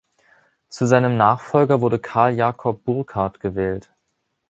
Zu seinem Nachfolger wurde Carl Jacob Burckhardt gewählt.